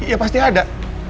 iya pasti ada